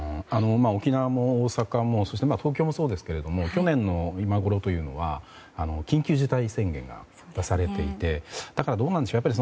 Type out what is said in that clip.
沖縄も大阪も東京もそうですけども去年の今ごろというのは緊急事態宣言が出されていてだからどうなんでしょう。